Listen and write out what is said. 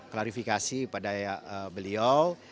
klarifikasi pada beliau